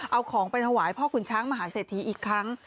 เอาของไปถวายพ่อคุณช้างมหาเศรษฐีอีกครั้ง